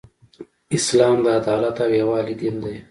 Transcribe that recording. اسلام د عدالت او یووالی دین دی .